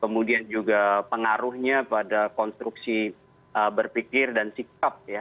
kemudian juga pengaruhnya pada konstruksi berpikir dan sikap ya